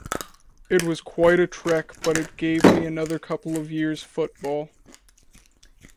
It was quite a trek but it gave me another couple of years football.